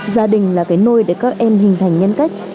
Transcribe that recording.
gia đình là cái nôi để các em hình thành nhân cách